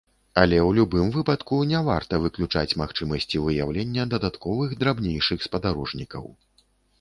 Але ў любым выпадку, не варта выключаць магчымасці выяўлення дадатковых драбнейшых спадарожнікаў.